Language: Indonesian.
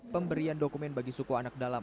pemberian dokumen bagi suku anak dalam